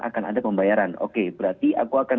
akan ada pembayaran oke berarti aku akan